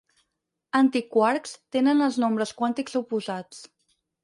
Antiquarks tenen els nombres quàntics oposats.